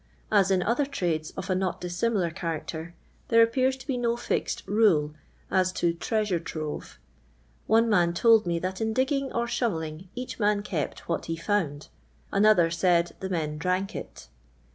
As in other ti ades of a not dissimilar character, there appears to be no fixed rule as to "treasure trove." One man told me that in (I'ggii^g or shovelling each man kept wiital he found; another said the men drank it.